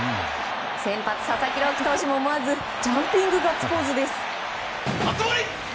先発、佐々木朗希投手も思わずジャンピングガッツポーズです。